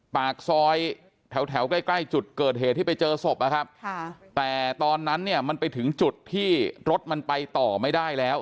ปากซอยแถวใกล้ใกล้จุดเกิดเหตุที่ไปเจอศพนะครับแต่ตอนนั้นเนี่ยมันไปถึงจุดที่รถมันไปต่อไม่ได้แล้ว